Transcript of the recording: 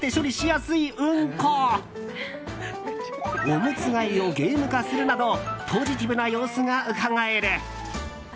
おむつ替えをゲーム化するなどポジティブな様子がうかがえる。